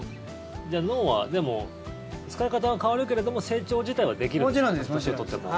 じゃあ脳はでも、使い方が変わるけれども成長自体はできるんですか？